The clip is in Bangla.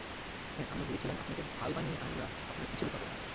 হ্যাঁ, আমরা ভেবেছিলাম আপনাকে ঢাল বানিয়ে আমরা আপনার পিছে লুকাব।